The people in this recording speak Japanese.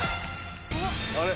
あれ？